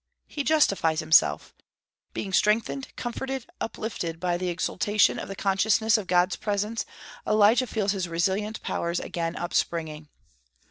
He justifies himself. But strengthened, comforted, uplifted by the exaltation of the consciousness of God's presence, Elijah feels his resilient powers again upspringing.